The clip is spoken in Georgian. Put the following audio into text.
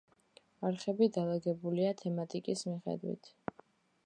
არხები დალაგებულია თემატიკის მიხედვით.